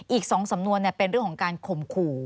อีก๒สำนวนเป็นเรื่องของการข่มขู่